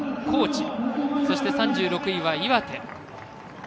高知そして、３６位は岩手。